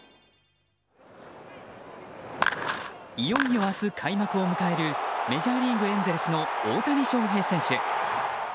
いよいよ明日、開幕を迎えるメジャーリーグ、エンゼルスの大谷翔平選手。